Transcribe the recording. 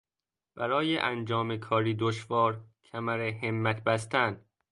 برای انجام کاری دشوار کمرهمت بستن